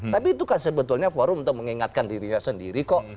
tapi itu kan sebetulnya forum untuk mengingatkan dirinya sendiri kok